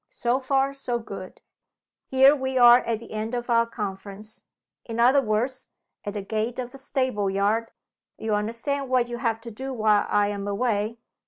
So far so good. Here we are at the end of our conference in other words, at the gate of the stable yard. You understand what you have to do while I am away?"